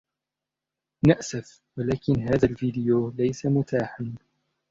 نأسف, ولكن هذا الفيديو ليس متاحاً.